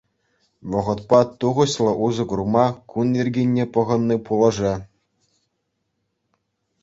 Вӑхӑтпа тухӑҫлӑ усӑ курма кун йӗркине пӑхӑнни пулӑшӗ.